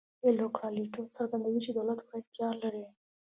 اېل کورالیټو څرګندوي چې دولت پوره اختیار لري.